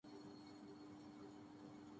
معاون ثابت ہوتی ہیں